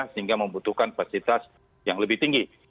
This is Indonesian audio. sehingga membutuhkan fasilitas yang lebih tinggi